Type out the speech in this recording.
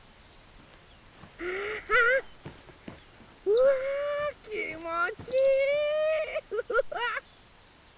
うわきもちいい！